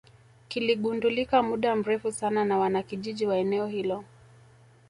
kiligundulika muda mrefu sana na wanakijiji wa eneo hilo